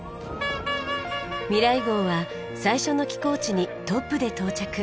ミライ号は最初の寄港地にトップで到着。